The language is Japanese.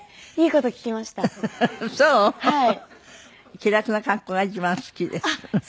気楽な格好が一番好きです。